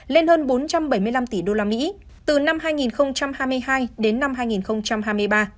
lên hơn bốn trăm bảy mươi năm tỷ usd từ năm hai nghìn hai mươi hai đến năm hai nghìn hai mươi ba